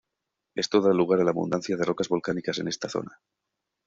Esto da lugar a la abundancia de rocas volcánicas en esta zona.